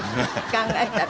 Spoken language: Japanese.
考えたら。